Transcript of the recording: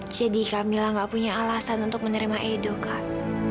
jadi kak mila gak punya alasan untuk menerima edo kak